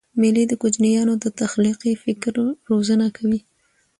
مېلې د کوچنيانو د تخلیقي فکر روزنه کوي.